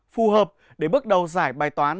phù hợp để bước đầu giải bài toán